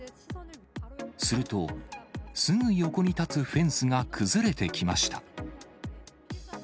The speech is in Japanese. すると、すぐ横に立つフェンスが崩れてきました。